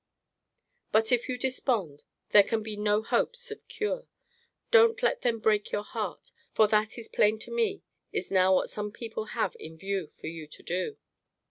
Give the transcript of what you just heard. But if you despond, there can be no hopes of cure. Don't let them break your heart; for that is plain to me, is now what some people have in view for you to do.